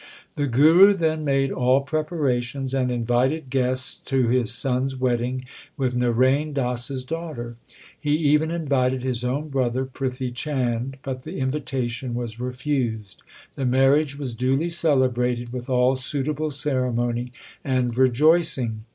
The Guru then made all preparations, and invited guests to his son s wedding with Narain Das s daughter. He even invited his own brother Prithi Chand, but the invitation was refused. The marriage was duly celebrated with all suitable ceremony and rejoicing.